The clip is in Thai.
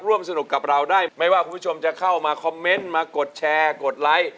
ร่วมสนุกกับเราได้ไม่ว่าคุณผู้ชมจะเข้ามาคอมเมนต์มากดแชร์กดไลค์